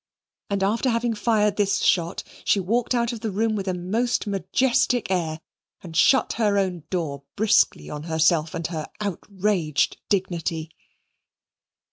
and after having fired this shot, she walked out of the room with a most majestic air and shut her own door briskly on herself and her outraged dignity.